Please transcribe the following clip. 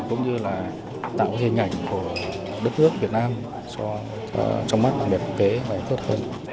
cũng như là tạo cái hình ảnh của đất nước việt nam cho trong mắt đặc biệt kế và thuật hình